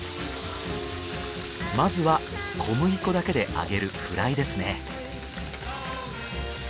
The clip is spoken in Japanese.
まずは小麦粉だけで揚げるフライですね